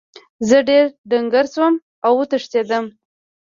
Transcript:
زه ډیر ډنګر شوم او وتښتیدم.